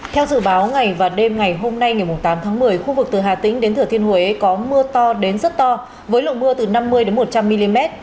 theo dự báo ngày và đêm ngày hôm nay ngày tám tháng một mươi khu vực từ hà tĩnh đến thửa thiên huế có mưa to đến rất to với lượng mưa từ năm mươi một trăm linh mm